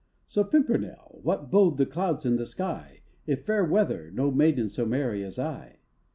So Pimpernel, what bode the clouds in the sky; If fair weather, no maiden so merry as I.